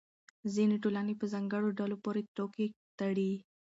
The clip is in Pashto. ځینې ټولنې په ځانګړو ډلو پورې ټوکې تړي.